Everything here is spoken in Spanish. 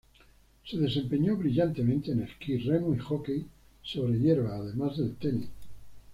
Se desempeñó brillantemente en esquí, remo y hockey sobre hierba, además del tenis.